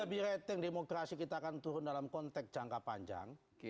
tapi rating demokrasi kita akan turun dalam konteks jangka panjang